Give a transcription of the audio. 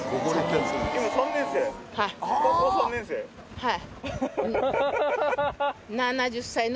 はい。